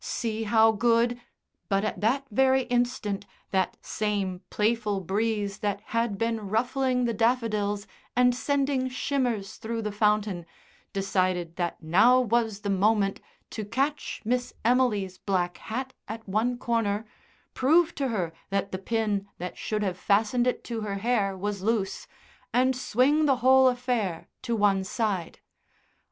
"See how good " But at that very instant that same playful breeze that had been ruffling the daffodils, and sending shimmers through the fountain decided that now was the moment to catch Miss Emily's black hat at one corner, prove to her that the pin that should have fastened it to her hair was loose, and swing the whole affair to one side.